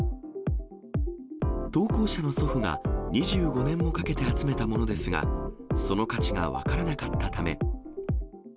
投稿者の祖父が、２５年をかけて集めたものですが、その価値が分からなかったため。